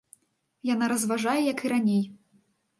Яна разважае як і раней.